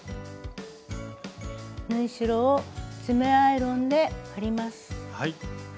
縫い代を爪アイロンで割ります。